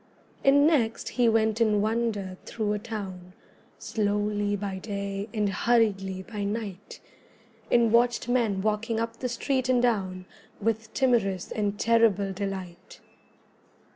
And next he went in wonder through a town Slowly by day and hurriedly by night, And watched men walking up the street and down With timorous and terrible delight.